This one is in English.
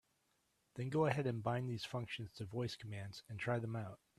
Then go ahead and bind these functions to voice commands and try them out.